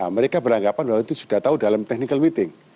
mereka beranggapan bahwa itu sudah tahu dalam technical meeting